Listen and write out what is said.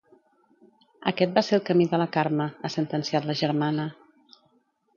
Aquest va ser el camí de la Carme, ha sentenciat la germana.